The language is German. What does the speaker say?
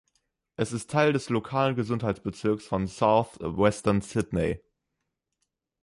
Es ist Teil des lokalen Gesundheitsbezirks von South Western Sydney.